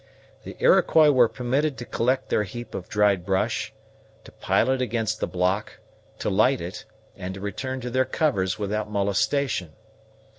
The Iroquois were permitted to collect their heap of dried brush, to pile it against the block, to light it, and to return to their covers without molestation.